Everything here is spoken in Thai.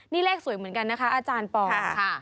นี่เลขสวยเหมือนกันนะคะอาจารย์ปอค่ะ